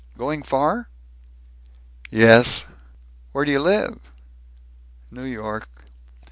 "Going far?" "Yes." "Where do you live?" "New York."